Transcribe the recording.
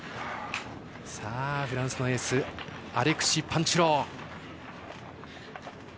さあ、フランスのエースアレクシ・パンテュロー。